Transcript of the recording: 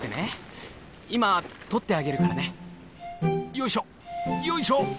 よいしょよいしょ。